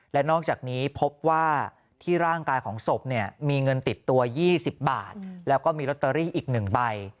และนอกจากนี้พบว่าที่ร่างกายของศพเนี่ยมีเงินติดตัว๒๐บาทแล้วก็มีลอตเตอรี่อีก๑ใบ